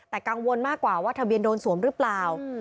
แต่กังวลมากกว่าว่าทะเบียนโดนสวมหรือเปล่า